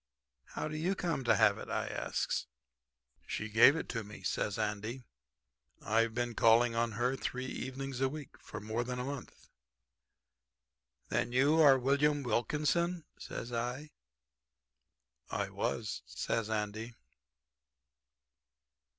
"'How do you come to have it?' I asks. "'She gave it to me,' says Andy. 'I've been calling on her three evenings a week for more than a month.' "'Then are you William Wilkinson?' says I. "'I was,' says Andy."